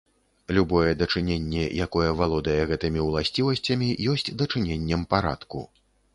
Любое дачыненне, якое валодае гэтымі ўласцівасцямі, ёсць дачыненнем парадку.